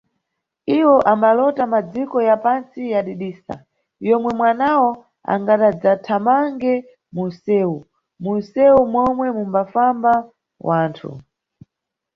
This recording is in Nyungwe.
Iwo ambalota Madziko ya pantsi ya didisa, yomwe mwanawo angadadzathamange mu nseu, mu mseu momwe mumbafamba wanthu.